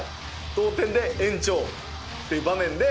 同点で延長っていう場面で。